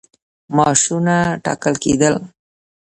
معاشونه ټاکل کېدل.